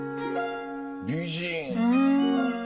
美人。